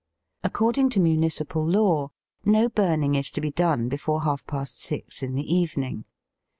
According to municipal law, no burning is to be done before half past six in the evening.